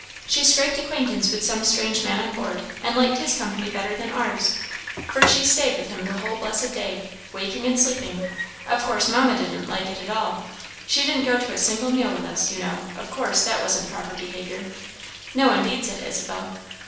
She scraped acquaintance with some strange man on board, and liked his company better than ours, for she stayed with him the whole blessed day, waking and sleeping; of course Mamma didn't like it at all. She didn't go to a single meal with us; you know, of course, that wasn't proper behaviour." "No, indeed," said Isabel.